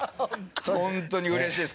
本当にうれしいです